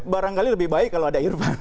barangkali lebih baik kalau ada irfan